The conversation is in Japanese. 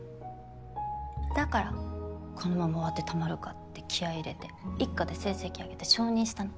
だからこのまま終わってたまるかって気合入れて一課で成績上げて昇任したの。